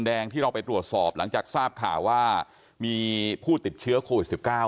แดงที่เราไปตรวจสอบหลังจากทราบข่าวว่ามีผู้ติดเชื้อโควิด๑๙